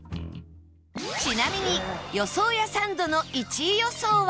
ちなみに予想屋サンドの１位予想は？